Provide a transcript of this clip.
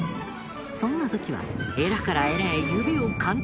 そんな時は。